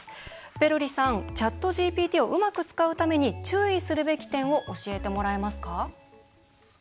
ペロリさん、ＣｈａｔＧＰＴをうまく使うために注意するべき点を教えてもらえますか？